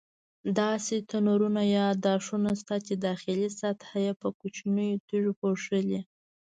داسې تنورونه یا داشونه شته چې داخلي سطحه یې په کوچنیو تیږو پوښلې.